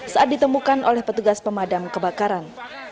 saat ditemukan oleh petugas pemadam kebakaran